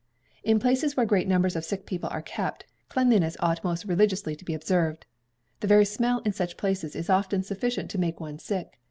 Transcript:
In places where great numbers of sick people are kept, cleanliness ought most religiously to be observed. The very smell in such places is often sufficient to make one sick.